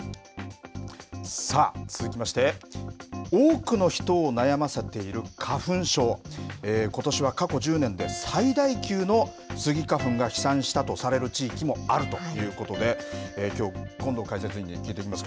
さあ続きまして多くの人を悩ませている花粉症ことしは過去１０年で最大級のスギ花粉が飛散したとされる地域もあるということできょう権藤解説委員に聞いていきます。